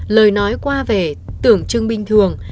lời nói qua về tưởng chừng bình thường